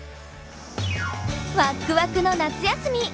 ワックワクの夏休み。